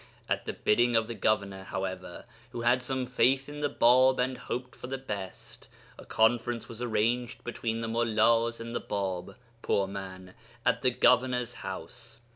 At the bidding of the governor, however, who had some faith in the Bāb and hoped for the best, a conference was arranged between the mullās and the Bāb (poor man!) at the governor's house.